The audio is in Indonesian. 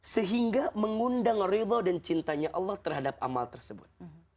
sehingga mengundang ridho dan cintanya allah terhadap amal tersebut